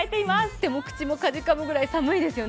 手も口もかじかむほど寒いですよね。